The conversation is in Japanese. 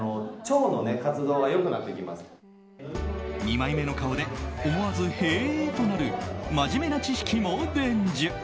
二枚目の顔で思わず、へえとなる真面目な知識も伝授。